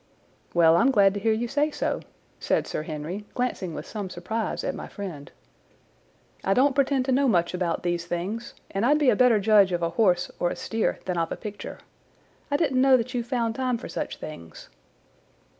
"Well, I'm glad to hear you say so," said Sir Henry, glancing with some surprise at my friend. "I don't pretend to know much about these things, and I'd be a better judge of a horse or a steer than of a picture. I didn't know that you found time for such things."